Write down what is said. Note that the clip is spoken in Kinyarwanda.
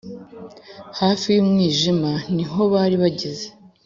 hafi y'umwijima niho bari bageze